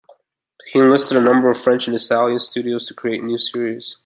He enlisted a number of French and Italian studios to create new series.